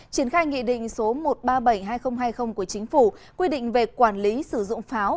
triển khai nghị định số một triệu ba trăm bảy mươi hai nghìn hai mươi của chính phủ quy định về quản lý sử dụng pháo